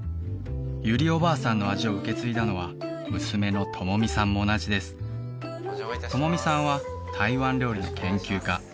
ユリおばあさんの味を受け継いだのは娘の智美さんも同じです智美さんは台湾料理の研究家